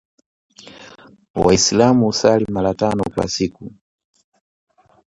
Waislamu husali mara tano kwa siku